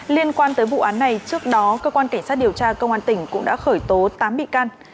liên quan tới vụ án này trước đó cơ quan cảnh sát điều tra công an tỉnh cũng đã khởi tố tám bị can